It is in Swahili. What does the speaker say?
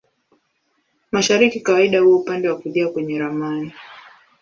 Mashariki kawaida huwa upande wa kulia kwenye ramani.